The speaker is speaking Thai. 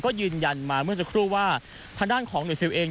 ก็ยืนยันมาเมื่อสักครู่ว่าทางด้านของหน่วยซิลเอง